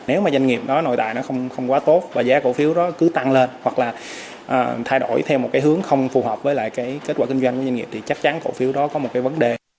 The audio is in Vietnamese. nếu mà doanh nghiệp đó nội tại nó không quá tốt và giá cổ phiếu đó cứ tăng lên hoặc là thay đổi theo một cái hướng không phù hợp với lại cái kết quả kinh doanh của doanh nghiệp thì chắc chắn cổ phiếu đó có một cái vấn đề